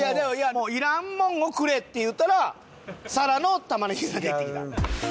もう「いらんもんをくれ」って言うたらさらの玉ねぎが出てきた。